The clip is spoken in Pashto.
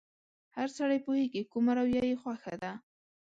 هر سړی پوهېږي کومه رويه يې خوښه ده.